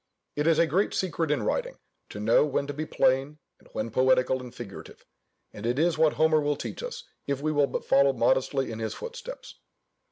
It is a great secret in writing, to know when to be plain, and when poetical and figurative; and it is what Homer will teach us, if we will but follow modestly in his footsteps.